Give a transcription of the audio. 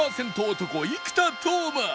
男生田斗真